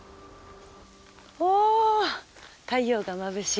お太陽がまぶしい。